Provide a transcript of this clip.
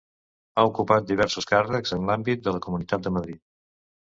Ha ocupat diversos càrrecs en l'àmbit de la Comunitat de Madrid.